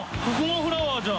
フラワーじゃん」